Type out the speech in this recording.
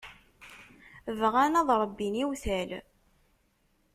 Bɣan ad ṛebbin iwtal.